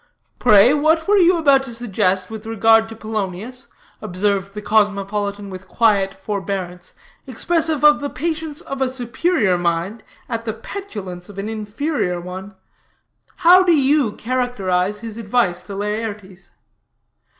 "Pray, what were you about to suggest with regard to Polonius," observed the cosmopolitan with quiet forbearance, expressive of the patience of a superior mind at the petulance of an inferior one; "how do you characterize his advice to Laertes?"